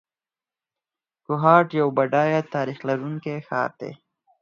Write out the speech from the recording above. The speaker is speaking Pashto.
کوهاټ یو بډایه تاریخ لرونکی ښار دی.